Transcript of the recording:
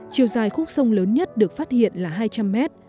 chiều dài khúc sông lớn nhất được phát hiện là hai trăm linh mét